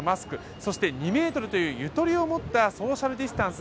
そして、２ｍというゆとりを持ったソーシャル・ディスタンス。